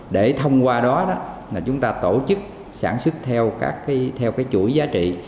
để thông qua đó chúng ta tổ chức sản xuất theo chuỗi giá trị